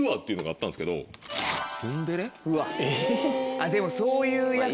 あっでもそういう役。